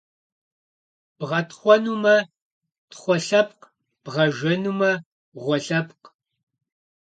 Бгъэтхъуэнумэ, тхъуэ лъэпкъ, бгъэжэнумэ, гъуэ лъэпкъ.